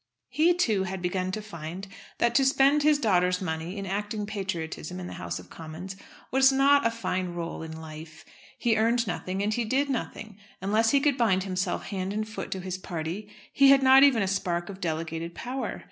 He, too, had begun to find that to spend his daughter's money in acting patriotism in the House of Commons was not a fine rôle in life. He earned nothing and he did nothing. Unless he could bind himself hand and foot to his party he had not even a spark of delegated power.